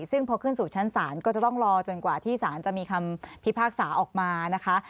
ซึ่งพอขึ้นสู่ชั้นศาลก็จะต้องรอจนกว่าที่ศาลจะมีคำพิพากษาออกมานะคะ